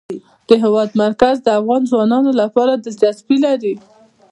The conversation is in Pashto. د هېواد مرکز د افغان ځوانانو لپاره دلچسپي لري.